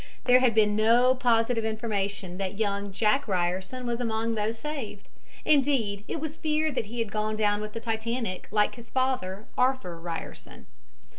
There had been no positive information that young "Jack" Ryerson was among those saved indeed, it was feared that he had gone down with the Titanic, like his father, Arthur Ryerson.